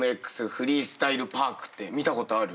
フリースタイル・パークって見たことある？